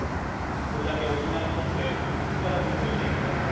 それだけ沖縄にとって復帰から５０年たった